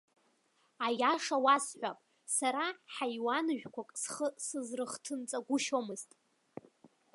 Аиаша уасҳәап, сара ҳаиуаныжәқәак схы сызрыхҭынҵагәышьомызт.